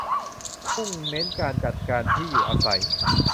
มุ่งเน้นการจัดการที่อยู่อาศัย